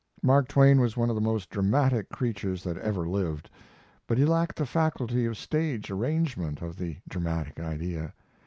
Mark Twain was one of the most dramatic creatures that ever lived, but he lacked the faculty of stage arrangement of the dramatic idea.